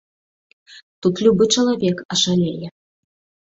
Тут любы чалавек ашалее.